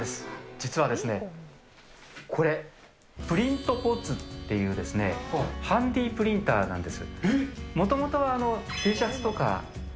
実はですね、これ、プリントポッズっていう、ハンディープリンターなんです。